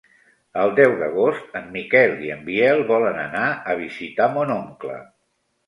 El deu d'agost en Miquel i en Biel volen anar a visitar mon oncle.